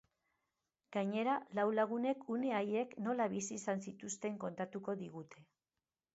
Gainera, lau lagunek une haiek nola bizi izan zituzten kontatuko digute.